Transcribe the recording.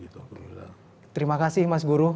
terima kasih mas guru